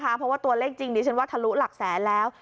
เพราะว่าตัวเลขจริงดิฉันว่าทะลุหลักแสนแล้ว